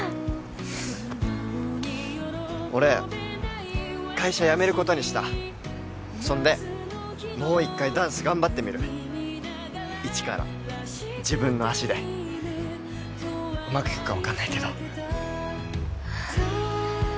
俺会社辞めることにしたそんでもう一回ダンス頑張ってみる一から自分の足でうまくいくか分かんないけど